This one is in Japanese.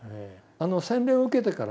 あの洗礼を受けてからね